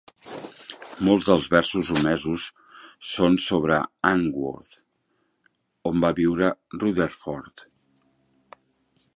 Molts dels versos omesos són sobre Anwoth, on va viure Rutherford.